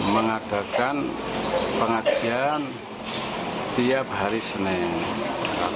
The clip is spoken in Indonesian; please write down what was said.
mengadakan pengajian tiap hari senin